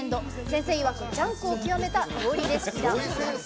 先生いわく「ジャンクを極めた料理レシピだ」。